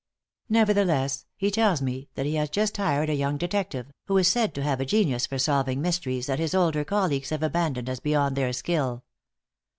Nevertheless, he tells me that he has just hired a young detective, who is said to have a genius for solving mysteries that his older colleagues have abandoned as beyond their skill.